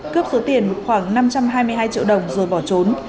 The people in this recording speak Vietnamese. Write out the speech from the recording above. cướp số tiền khoảng năm trăm hai mươi hai triệu đồng rồi bỏ trốn